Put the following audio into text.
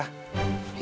kita harus balas mereka